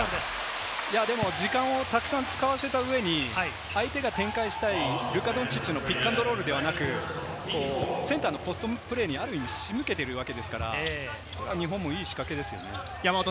時間をたくさん使わせた上に、相手が展開したいルカ・ドンチッチのピックアンドロールではなく、センターのポストプレーに仕向けているわけですから、日本も、いい仕掛けですよね。